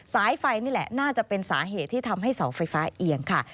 สายไฟนี่แหละน่าจะเป็นสาเหตุที่ทำให้เสาไฟฟ้าเอียงค่ะ